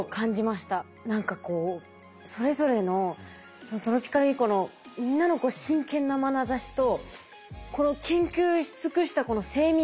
何かこうそれぞれのトロピカルインコのみんなの真剣なまなざしとこの研究し尽くしたこの精密さと。